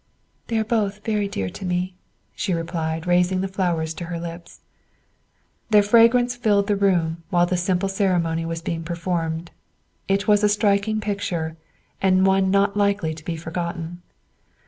"They are both very dear to me," she replied, raising the flowers to her lips. Their fragrance filled the room while the simple ceremony was being performed. It was a striking picture, and one not likely to be forgotten.